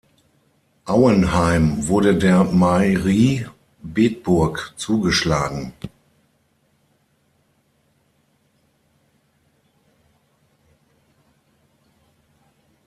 Auenheim wurde der Mairie Bedburg zugeschlagen.